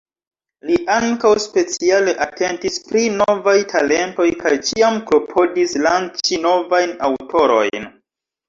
Li ankaŭ speciale atentis pri novaj talentoj kaj ĉiam klopodis lanĉi novajn aŭtorojn.